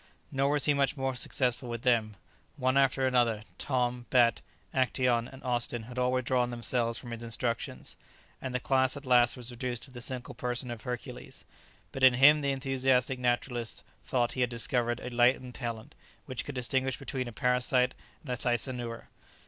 Nor was he much more successful with them; one after another, Tom, Bat, Actæon, and Austin had all withdrawn themselves from his instructions, and the class at last was reduced to the single person of Hercules; but in him the enthusiastic naturalist thought he had discovered a latent talent which could distinguish between a parasite and a thysanura.